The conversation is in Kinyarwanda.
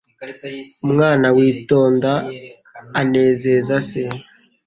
Umwana witonda anezeza se